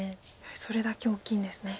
それだけ大きいんですね。